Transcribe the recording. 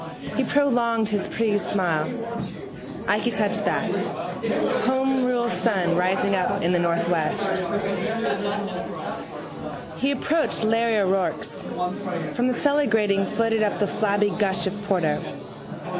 He prolonged his pleased smile. Ikey touch that: homerule sun rising up in the northwest. He approached Larry O'Rourke's. From the cellar grating floated up the flabby gush of porter.